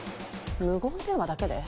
無言電話だけで？